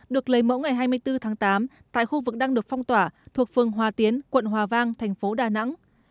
được lấy mẫu ngày hai mươi bốn tháng tám tại khu vực đang được phong tỏa thuộc phường hòa tiến quận hòa vang thành phố đà nẵng